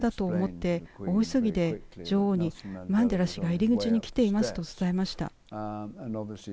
私は大変だと思って、大急ぎで女王にマンデラ氏が入り口に来ていますと伝えました。